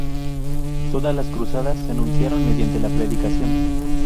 Todas las cruzadas se anunciaron mediante la predicación.